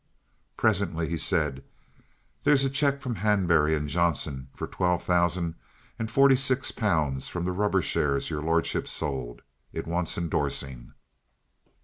Presently he said: "There's a cheque from Hanbury and Johnson for twelve thousand and forty six pounds for the rubber shares your lordship sold. It wants endorsing."